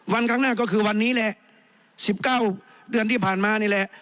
วันข้างหน้าก็คือวันนี้แหละ๑๙เดือนที่ผ่านมานี่แหละ